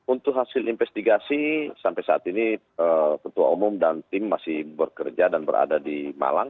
untuk hasil investigasi sampai saat ini ketua umum dan tim masih bekerja dan berada di malang